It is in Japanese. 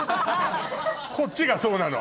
こっちがそうなの？